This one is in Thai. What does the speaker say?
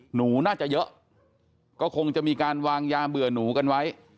หนูน่าจะเยอะก็คงจะมีการวางยาเบื่อหนูกันไว้